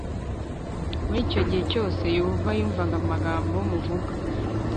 Muri icyo gihe cyose Yehova yumvaga amagambo muvuga